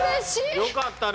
よかったね。